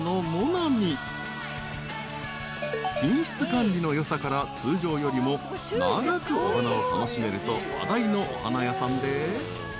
［品質管理のよさから通常よりも長くお花を楽しめると話題のお花屋さんで］